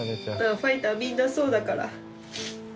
ファイターみんなそうだから。